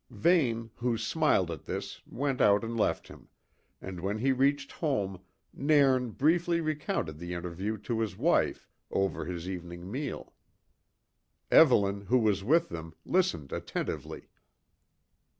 Vane, who smiled at this, went out and left him; and when he reached home Nairn briefly recounted the interview to his wife over his evening meal. Evelyn, who was with them, listened attentively.